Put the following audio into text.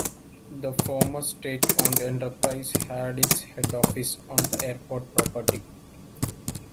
The former state-owned enterprise had its head office on the airport property.